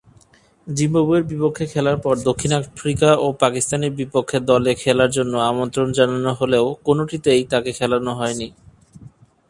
জিম্বাবুয়ের বিপক্ষে খেলার পর দক্ষিণ আফ্রিকা ও পাকিস্তানের বিপক্ষে দলে খেলার জন্যে আমন্ত্রণ জানানো হলেও কোনটিতেই তাকে খেলানো হয়নি।